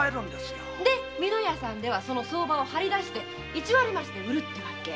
美乃屋さんではその相場を張り出して一割増しで売るわけよ。